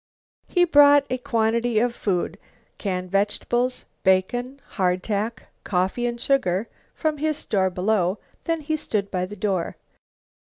He brought a quantity of food, canned vegetables, bacon, hardtack, coffee and sugar from his store below. Then he stood by the door.